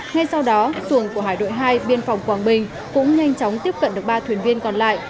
ngay sau đó xuồng của hải đội hai biên phòng quảng bình cũng nhanh chóng tiếp cận được ba thuyền viên còn lại